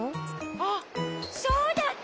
あっそうだった！